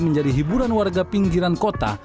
menjadi hiburan warga pinggiran kota